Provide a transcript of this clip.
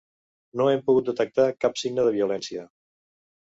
No hem pogut detectar cap signe de violència.